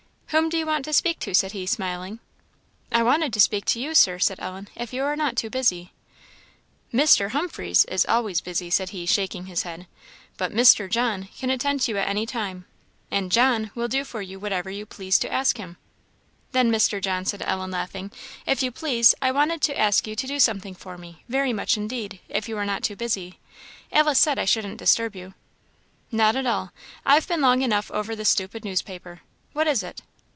"Whom do you want to speak to?" said he, smiling. "I wanted to speak to you, Sir," said Ellen, "if you are not too busy." "Mr. Humphreys is always busy," said he, shaking his head; "but Mr. John can attend to you at any time, and John will do for you whatever you please to ask him." "Then, Mr. John," said Ellen, laughing, "if you please, I wanted to ask you to do something for me, very much indeed, if you are not too busy; Alice said I shouldn't disturb you." "Not at all; I've been long enough over this stupid newspaper. What is it?"